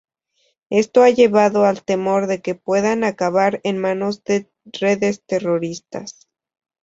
Esto ha llevado al temor de que puedan acabar en manos de redes terroristas.